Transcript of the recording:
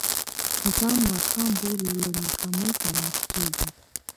که ځان ناکام بولې له ناکامۍ سره مخ کېږې.